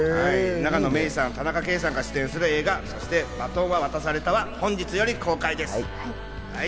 永野芽郁さん、田中圭さんが出演する映画『そして、バトンは渡された』は本日より公開です。